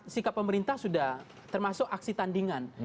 sikap pemerintah sudah termasuk aksi tandingan